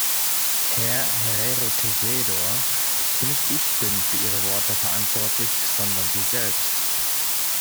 Herr Herrero-Tejedor, nicht ich bin für Ihre Worte verantwortlich, sondern Sie selbst.